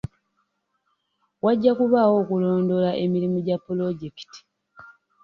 Wajja kubaawo okulondoola emirimu gya pulojekiti